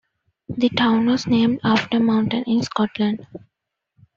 The town was named after a mountain in Scotland.